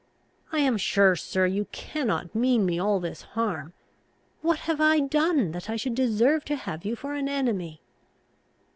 I am sure, sir, you cannot mean me all this harm. What have I done, that I should deserve to have you for an enemy?"